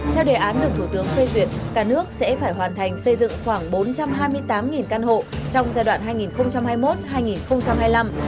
theo đề án được thủ tướng phê duyệt cả nước sẽ phải hoàn thành xây dựng khoảng bốn trăm hai mươi tám căn hộ trong giai đoạn hai nghìn hai mươi một hai nghìn hai mươi năm